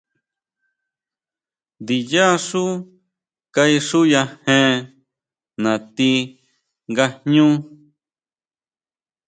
Ndiyá xú kaixuyajen natí nga jñú.